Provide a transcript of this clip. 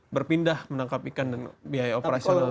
berpindah menangkap ikan dan biaya operasi yang lebih jauh